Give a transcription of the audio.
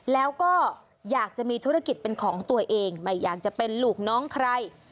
แล้วก็อยากจะมีธุรกิจเป็นของตัวเองไม่อยากจะเป็นลูกน้องใคร